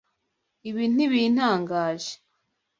Ibi ntibintangaje.